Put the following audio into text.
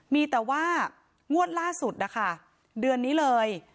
มีแต่ว่างวดล่าสุดนะคะเดือนนี้เลย